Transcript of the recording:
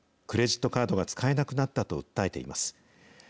クレジットカードが使えなくなったと訴えています。